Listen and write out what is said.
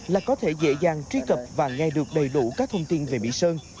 là có thể dễ dàng truy cập và nghe được đầy đủ các thông tin về mỹ sơn